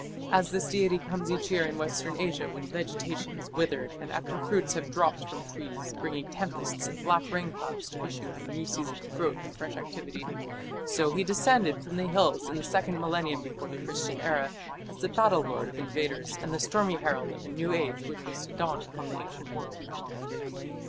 As this deity comes each year in Western Asia when vegetation has withered and after fruits have dropped from trees, bringing tempests and black rainclouds to issue in a new season of growth and fresh activity, so he descended from the hills in the second millennium before the Christian era as the battle lord of invaders and the stormy herald of a new age which was to dawn upon the ancient world.